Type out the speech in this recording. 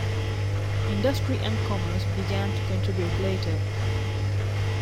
Industry and commerce began to contribute later.